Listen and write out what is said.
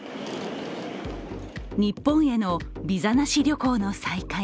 日本へのビザなし旅行の再開。